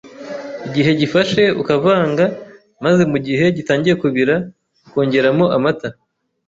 igihe gifashe, ukavanga, maze mu gihe gitangiye kubira, ukongeramo amata.